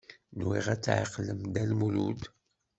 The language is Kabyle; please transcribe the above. Nwiɣ ad tɛeqlem Dda Lmulud.